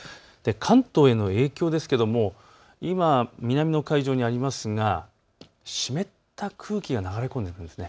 関東への影響ですけども今、南の海上にありますが湿った空気が流れ込んでくるんです。